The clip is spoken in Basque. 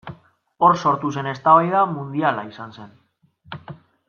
Hor sortu zen eztabaida mundiala izan zen.